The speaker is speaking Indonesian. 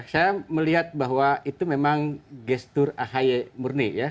saya melihat bahwa itu memang gestur ahi murni ya